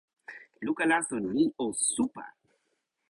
luka laso ni o supa!